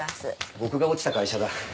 僕が落ちた会社だ。